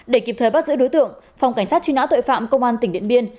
để kịp thời bắt giữ đối tượng phòng cảnh sát truy nã tội phạm công an tỉnh điện biên